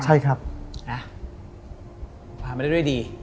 หาไม่ได้ด้วยดี